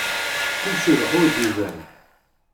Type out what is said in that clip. Kullec iruḥ ur d-iban.